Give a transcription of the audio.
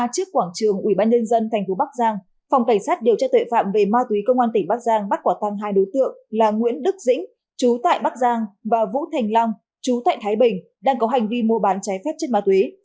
trước quảng trường ủy ban nhân dân tp bắc giang phòng cảnh sát điều tra tuệ phạm về ma túy công an tỉnh bắc giang bắt quả tăng hai đối tượng là nguyễn đức dĩnh chú tại bắc giang và vũ thành long chú tại thái bình đang có hành vi mua bán trái phép chất ma túy